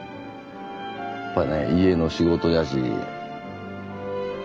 やっぱりね家の仕事やし。